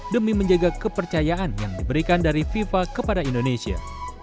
demi menjaga kepercayaan yang diberikan dari fifa kepada indonesia